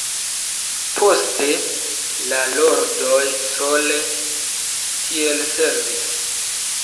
Poste, la Lordoj sole tiel servis.